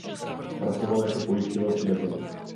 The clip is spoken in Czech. Pracoval jako pojišťovací agent.